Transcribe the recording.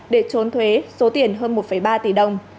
để trốn thuế số tiền hơn một ba tỷ đồng